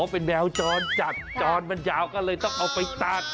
เป็นแมวจรจัดจรมันยาวก็เลยต้องเอาไปตาก